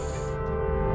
rumah sakitnya angker pak